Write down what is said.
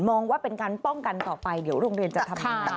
ว่าเป็นการป้องกันต่อไปเดี๋ยวโรงเรียนจะทำงาน